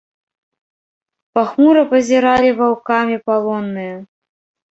Пахмура пазіралі ваўкамі палонныя.